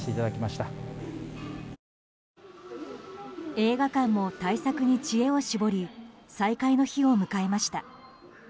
映画館も対策に知恵を絞り再開の日を迎えました。